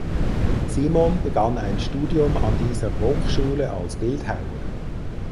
Simon begann ein Studium an dieser Hochschule als Bildhauer.